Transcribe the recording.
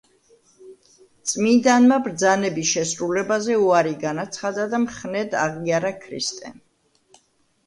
წმინდანმა ბრძანების შესრულებაზე უარი განაცხადა და მხნედ აღიარა ქრისტე.